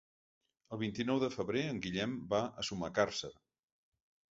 El vint-i-nou de febrer en Guillem va a Sumacàrcer.